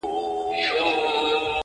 هغه ليوني ټوله زار مات کړی دی.